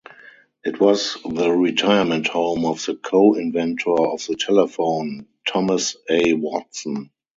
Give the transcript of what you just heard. It was the retirement home of the co-inventor of the telephone, Thomas A. Watson.